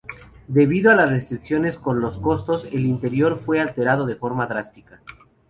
Debido a las restricciones con los costos, el interior fue alterado de forma drástica.